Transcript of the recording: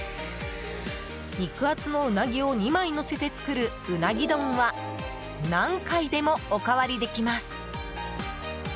肉厚のウナギを２枚のせて作るうなぎ丼は何回でもおかわりできます。